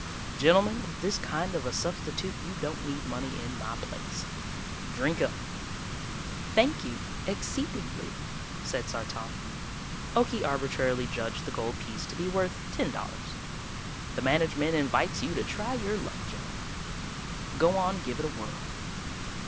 "Gentlemen, with this kind of a substitute you don't need money in my place. Drink up!" "Thank you ex ceed ing ly," said Sartan. Okie arbitrarily judged the gold piece to be worth ten dollars. "The management invites you to try your luck, gentlemen. Go on give it a whirl."